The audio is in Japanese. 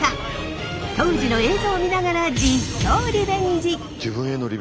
当時の映像を見ながら実況リベンジ！